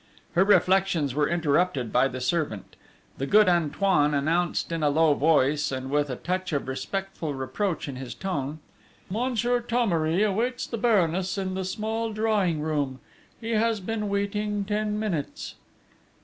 Her reflections were interrupted by the servant. The good Antoine announced in a low voice, and with a touch of respectful reproach in his tone: "Monsieur Thomery awaits the Baroness in the small drawing room: he has been waiting ten minutes."